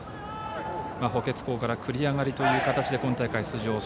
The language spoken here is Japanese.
補欠校から繰り上がりという形で今大会、出場。